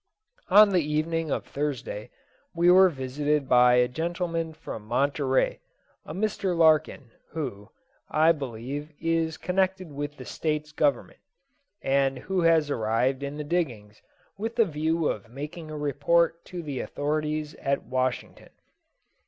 On the evening of Thursday we were visited by a gentleman from Monterey, a Mr. Larkin, who, I believe, is connected with the States Government, and who has arrived in the diggings with the view of making a report to the authorities at Washington.